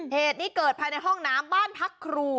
เหตุนี้เกิดภายในห้องน้ำบ้านพักครู